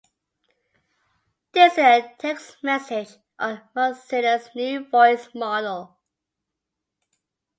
This is a test message on Mozzila's new voice model.